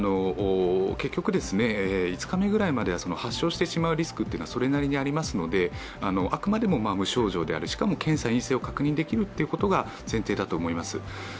結局、５日目ぐらいまでは発症してしまうリスクはそれなりにありますのであくまでも無症状である、しかも検査陰性を確認できることが前提だと思います。